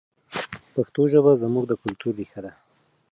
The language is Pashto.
پښتو ژبه زموږ د کلتور ریښه ده.